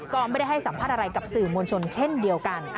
ก็ไม่ได้ให้สัมภาษณ์อะไรกับสื่อมวลชนเช่นเดียวกัน